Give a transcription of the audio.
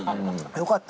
よかった